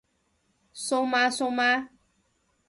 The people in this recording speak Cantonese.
蘇媽蘇媽？